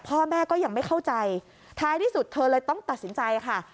พ่อแม่ก็ยังไม่เข้าใจท้ายที่สุดเธอเลยต้องตัดสินใจค่ะ